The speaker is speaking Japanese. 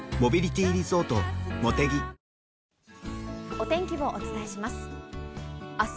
お天気をお伝えします。